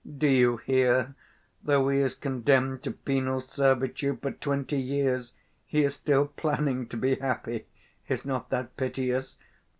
Do you hear? though he is condemned to penal servitude for twenty years, he is still planning to be happy—is not that piteous?